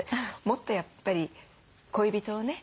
もっとやっぱり恋人をね